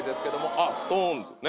あっＳｉｘＴＯＮＥＳね。